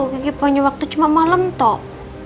geki punya waktu cuma malem toh